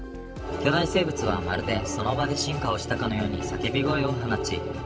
巨大生物はまるでその場で進化をしたかのように叫び声を放ち。